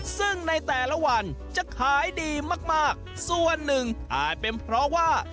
ซึ่งในแต่ละวันจะขายดีมากมากส่วนหนึ่งอาจเป็นเพราะว่า